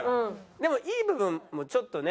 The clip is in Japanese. でもいい部分もちょっとね。